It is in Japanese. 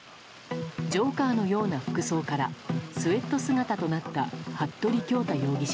ジョーカーのような服装からスウェット姿になった服部恭太容疑者。